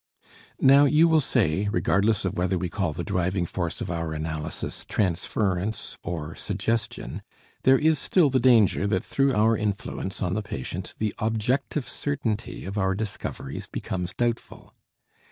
Now you will say, regardless of whether we call the driving force of our analysis transference or suggestion, there is still the danger that through our influence on the patient the objective certainty of our discoveries becomes doubtful.